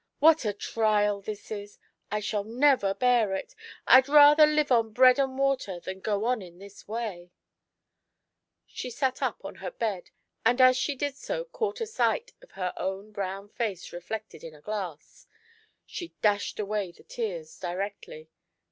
What a trial this is ! I never shall bear it. I'd rather live on bread and water than go on in this way !" She sat up on her bed, and as she did so caught a sight of her own face reflected in a glass. She dashed away her tears directly.